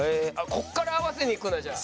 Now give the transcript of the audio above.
ここから合わせにいくんだじゃあ。